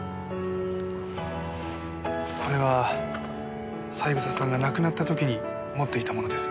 これは三枝さんが亡くなった時に持っていたものです。